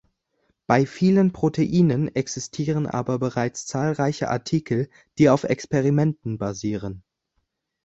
Bei vielen Proteinen existieren aber bereits zahlreiche Artikel, die auf Experimenten basieren.